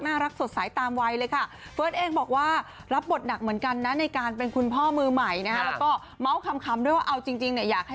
เพราะว่าเด็กมันอัลเลิศอ่ะเนอะตื่นตลอดเวลา